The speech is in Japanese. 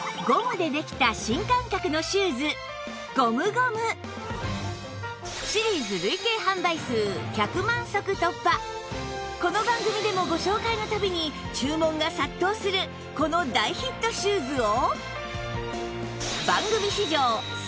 ゴムでできたこの番組でもご紹介の度に注文が殺到するこの大ヒットシューズを